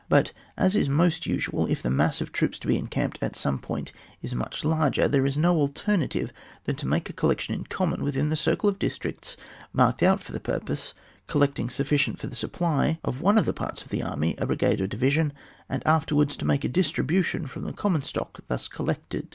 But, as is most usual, if the mass of troops to be encamped at some one point is much larger, there is no alternative but to make a collection in common within the circle of districts marked out for the purpose, collecting sufficient for the sup ply of one of the parts of the army, a brigade or division, and afterwards to make a distribution from the common stock thus collected.